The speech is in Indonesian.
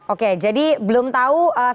oke jadi belum tahu